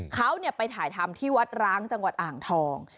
เขาไปถ่ายทำที่วัดร้างจังหวัดอ่างทอง